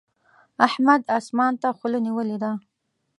احمد اسمان ته خوله نيولې ده.